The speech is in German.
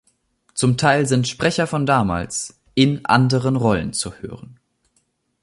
Zum Teil sind Sprecher von damals in anderen Rollen zu hören.